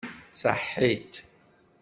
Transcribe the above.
Ṣaḥit!